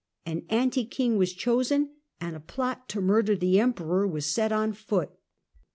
An anti king was chosen, and a plot to murder the Emperor was set on foot.